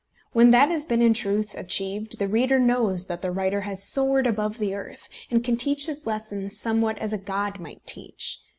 When that has been in truth achieved, the reader knows that the writer has soared above the earth, and can teach his lessons somewhat as a god might teach.